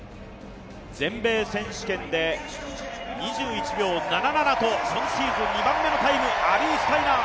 全米選手権で２１秒７７と今シーズン２番目のタイムアビー・スタイナー。